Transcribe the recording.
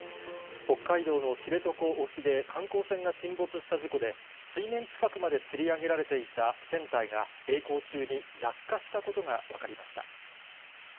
北海道の知床沖で観光船が沈没した事故で、水面近くまでつり上げられていた船体が、えい航中に落下したことが分かりました。